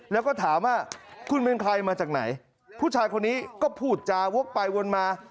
แล้วก็ถามว่าคุณเป็นใครมาจากไหนผู้ชายคนนี้ก็พูดจาวกไปวนมา